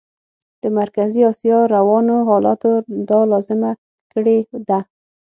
د مرکزي اسیا روانو حالاتو دا لازمه کړې ده.